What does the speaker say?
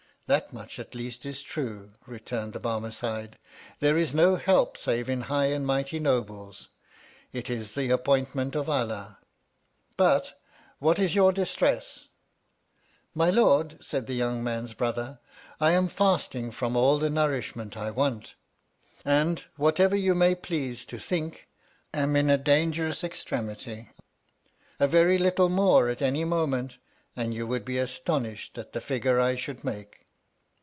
That much at least is true, returned the Barmecide, there is no help save in high and mighty nobles, it is the appointment of Allah. But, what is your dis tress ? My Lord, said the young man's brother, I am fasting from all the nourish ment I want, and — whatever you may please to think — am in a dangerous extremity. A very little more at any moment, and you •would be astonished at the figure I should make.